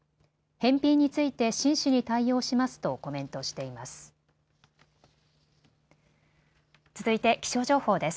返品について真摯に対応しますとコメントしています。